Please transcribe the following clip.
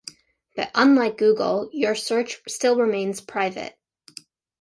But unlike Google, your search still remains private.